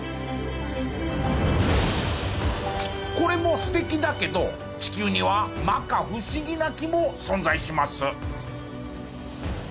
これも素敵だけど地球には摩訶不思議な木も存在します。